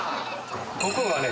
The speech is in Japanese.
ここがね